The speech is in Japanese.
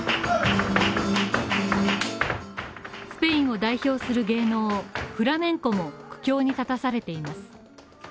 スペインを代表する芸能、フラメンコも苦境に立たされています。